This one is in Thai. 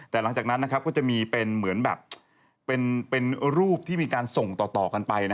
แต่หลังจากนั้นก็จะมีเป็นเหมือนแบบเป็นรูปที่มีการส่งต่อกันไป